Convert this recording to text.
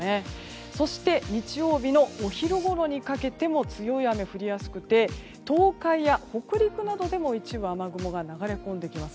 そして日曜日のお昼ごろにかけても強い雨が降りやすくて東海や北陸などでも一部雨雲が流れ込んできます。